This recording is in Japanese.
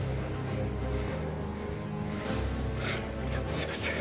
すいません